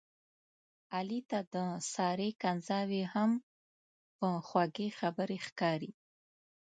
علي ته د سارې کنځاوې هم په خوږې خبرې ښکاري.